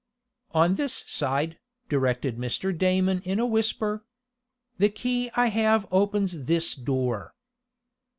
"On this side," directed Mr. Damon in a whisper. "The key I have opens this door."